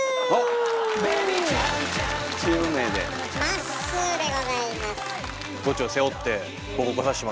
まっすーでございます。